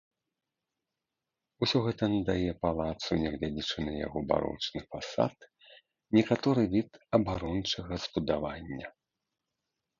Усё гэта надае палацу, нягледзячы на яго барочны фасад, некаторы від абарончага збудавання.